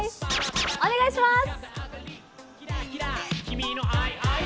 お願いします。